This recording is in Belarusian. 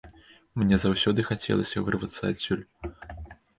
Мне заўсёды хацелася вырвацца адсюль.